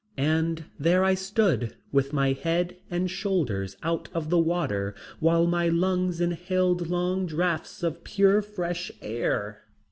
And there I stood with my head and shoulders out of the water while my lungs inhaled long draughts of pure fresh air.